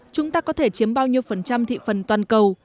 chúng ta có thể chiếm bao nhiêu phần trăm thị phần toàn cầu